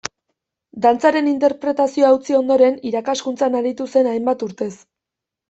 Dantzaren interpretazioa utzi ondoren, irakaskuntzan aritu zen hainbat urtez.